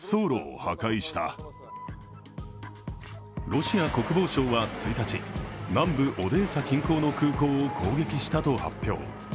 ロシア国防省は１日、南部オデーサ近郊の空港を攻撃したと発表。